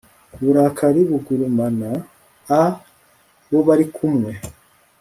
uburakari bugurumana a bobarikumwe